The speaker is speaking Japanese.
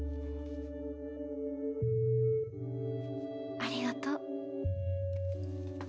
ありがとう。